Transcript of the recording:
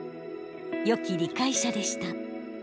よき理解者でした。